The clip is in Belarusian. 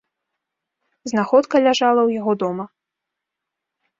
Знаходка ляжала ў яго дома.